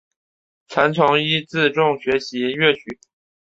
曾从尹自重学习粤曲。